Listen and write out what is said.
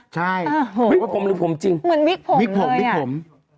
วิกผมลืมผม